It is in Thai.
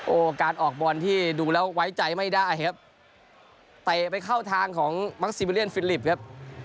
โอ้โหการออกบอลที่ดูแล้วไว้ใจไม่ได้ครับเตะไปเข้าทางของมักซีบิเลียนฟิลิปครับ